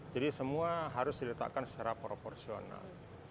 jadi semua harus diletakkan secara proporsional